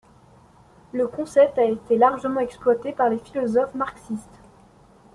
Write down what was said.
Le concept a été largement exploité par les philosophes marxistes.